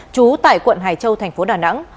chú tại quận hải châu tp đà nẵng